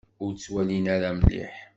Ur ttwalin ara mliḥ.